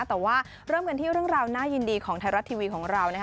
แต่ว่าเริ่มกันที่เรื่องราวน่ายินดีของไทยรัฐทีวีของเรานะคะ